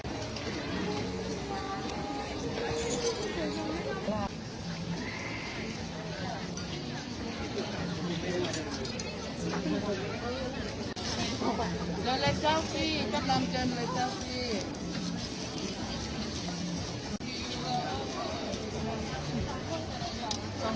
ค่ะพริกของพรหารสะชาญอร่อยมากครับ